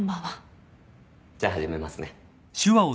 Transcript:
じゃあ始めますね。